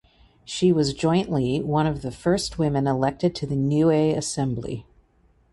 She was jointly one of the first women elected to the Niue Assembly.